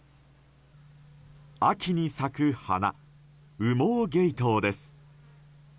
秋に咲く花、羽毛ゲイトウです。